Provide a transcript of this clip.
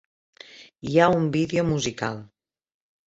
Hi ha un vídeo musical.